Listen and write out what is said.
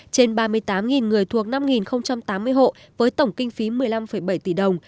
trên ba mươi tám người thuộc năm tám mươi hộ với tổng kinh phí một mươi năm bảy tỷ đồng